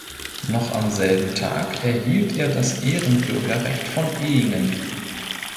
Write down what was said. Noch am selben Tag erhielt er das Ehrenbürgerrecht von Ehingen.